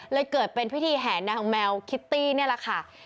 เลยเกิดเป็นพิธีแห่นางแมวคิตตี้นี่แหละค่ะ